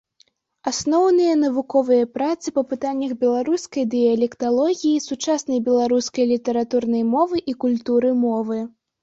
Асноўныя навуковыя працы па пытаннях беларускай дыялекталогіі, сучаснай беларускай літаратурнай мовы і культуры мовы.